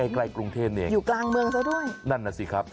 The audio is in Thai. ใกล้กรุงเทพเนี่ยอยู่กลางเมืองซะด้วยนั่นน่ะสิครับ